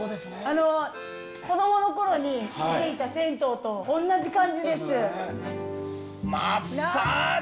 あの子供の頃に来ていた銭湯とおんなじ感じです。